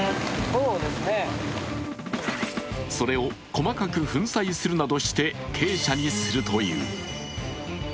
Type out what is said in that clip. それを細かく粉砕するなどして珪砂にするという。